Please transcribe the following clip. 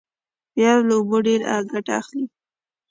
پیاز له اوبو ډېر ګټه اخلي